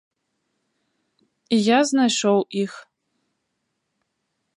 І я знайшоў іх.